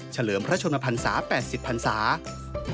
เฉลิมพระชนภัณฑ์ศาสตร์๘๐ภัณฑ์ศาสตร์